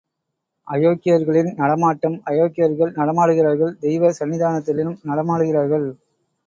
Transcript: அயோக்கியர்களின் நடமாட்டம் அயோக்கியர்கள் நடமாடுகிறார்கள் தெய்வ சன்னிதானத்திலும் நடமாடுகிறார்கள்.